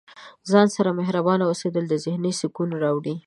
د ځان سره مهربانه اوسیدل د ذهن سکون راوړي.